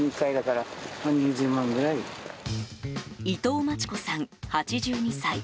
伊藤マチ子さん、８２歳。